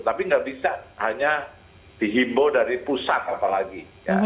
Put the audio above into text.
tapi nggak bisa hanya dihimbau dari pusat apalagi